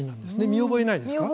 見覚えないですか？